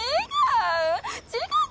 違う！